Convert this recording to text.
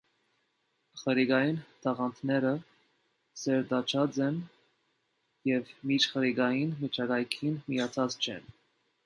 Խռիկային թաղանթները սերտաճած են և միջխռիկային միջակայքին միացած չեն։